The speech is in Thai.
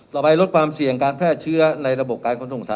ต่อไปลดความเสี่ยงการแพร่เชื้อในระบบการทุกสถานที่ในประเทศ